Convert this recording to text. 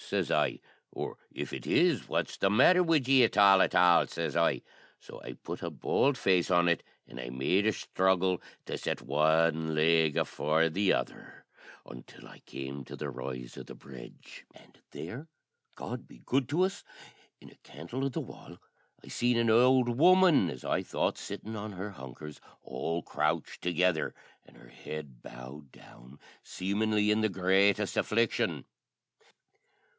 sez I; "or, if it is, what's the matter wid ye at all, at all?" sez I; so I put a bould face on it, an' I made a sthruggle to set one leg afore the other, ontil I came to the rise o' the brudge. And there, God be good to us! in a cantle o' the wall I seen an ould woman, as I thought, sittin' on her hunkers, all crouched together, an' her head bowed down, seemin'ly in the greatest affliction.